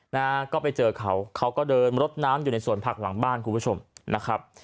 นะฮะก็ไปเจอเขาเขาก็เดินรถน้ำอยู่ในสวนผักหลังบ้านคุณผู้ชมนะครับ